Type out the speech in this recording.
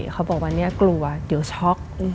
เขาบอกว่าเนี่ยกลัวเดี๋ยวช็อก